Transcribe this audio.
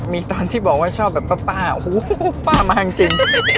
มีตอนที่บอกว่าชอบแบบป้าโอ้โหป้ามาจริง